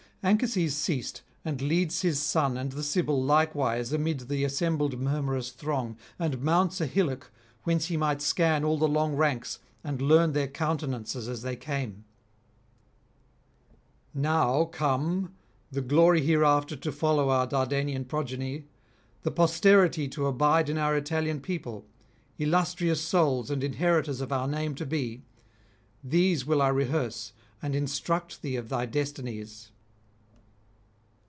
Anchises ceased, and leads his son and the Sibyl likewise amid the assembled murmurous throng, and mounts a hillock whence he might scan all the long ranks and learn their countenances as they came. 'Now come, the glory hereafter to follow our Dardanian progeny, the posterity to abide in our Italian people, illustrious souls and inheritors of our name to be, these will I rehearse, and instruct thee of thy destinies.